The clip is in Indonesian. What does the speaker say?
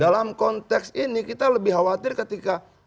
dalam konteks ini kita lebih khawatir ketika